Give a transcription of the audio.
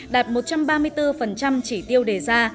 đạt một trăm ba mươi bốn chỉ tiêu đề ra